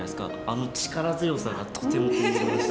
あの力強さがとても気に入りました。